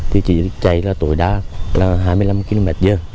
thì chỉ chạy tối đa là hai mươi năm kmh